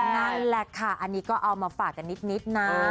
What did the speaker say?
นั่นแหละค่ะอันนี้ก็เอามาฝากกันนิดนะ